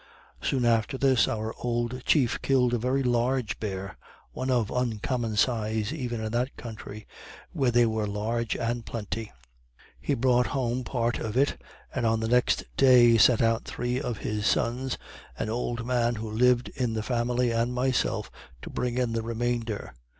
Soon after this, our old Chief killed a very large bear one of uncommon size even in that country, where they were large and plenty. He brought home a part of it, and on the next day sent out three of his sons, an old man who lived in the family, and myself, to bring in the remainder.